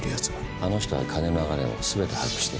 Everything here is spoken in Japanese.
あの人は金の流れを全て把握してる。